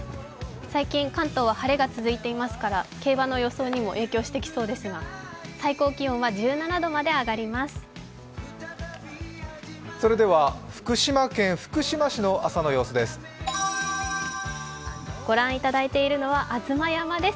最近、関東は晴れが続いていますから競馬の予想にも影響してきそうですが御覧いただいているのは吾妻山です。